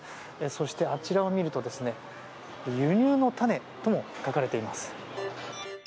そしてあちらを見ると輸入の種とも書かれています。